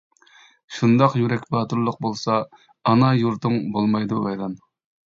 شۇنداق يۈرەك باتۇرلۇق بولسا، ئانا يۇرتۇڭ بولمايدۇ ۋەيران.